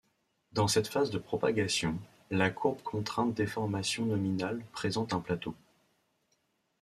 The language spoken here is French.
Dans cette phase de propagation, la courbe contrainte-déformation nominale présente un plateau.